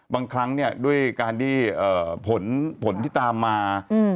บางครั้งเนี่ยด้วยการที่ผลที่ตามมา